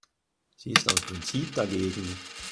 Sie ist aus Prinzip dagegen.